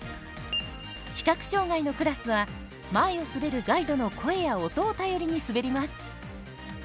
視覚障がいのクラスは前を滑るガイドの声や音を頼りに滑ります。